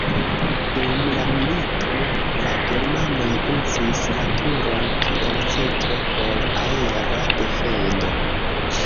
Dum la milito la germanoj uzis la turon kiel centro por aera defendo.